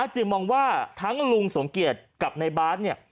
จึงมองว่าทั้งลุงสมเกียจกับในบาสเนี่ย